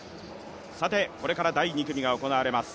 これから第２組が行われます。